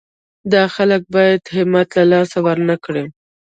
دا خلک باید همت له لاسه ورنه کړي.